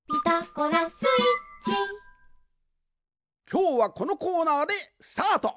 きょうはこのコーナーでスタート！